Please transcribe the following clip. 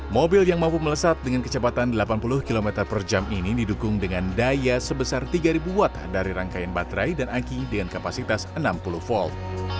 mobil yang mampu melesat dengan kecepatan delapan puluh km per jam ini didukung dengan daya sebesar tiga watt dari rangkaian baterai dan aki dengan kapasitas enam puluh volt